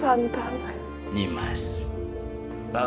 rara santang sedang mencari sepasang lembah dari kayangan